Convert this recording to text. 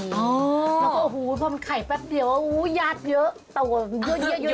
แล้วก็พอมันไข่แป๊บเดี๋ยวยาดเยอะเยอะเลย